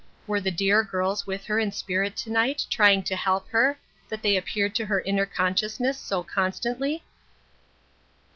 Were the dear girls with her in spirit to night trying to help her, that they appeared to her inner consciousness so constantly